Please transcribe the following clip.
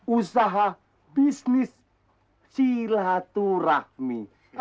usaha bisnis cilaturahmi